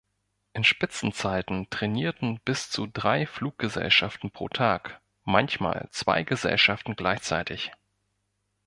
In Spitzenzeiten trainierten bis zu drei Fluggesellschaften pro Tag, manchmal zwei Gesellschaften gleichzeitig.